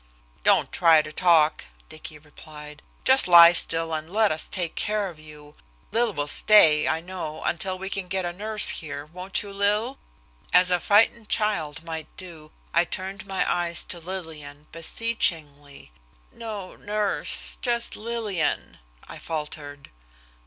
"Don't try to talk," Dicky replied. "Just lie still and let us take care of you. Lil will stay, I know, until we can get a nurse here, won't you, Lil?" As a frightened child might do, I turned my eyes to Lillian, beseechingly. "No nurse just Lillian," I faltered.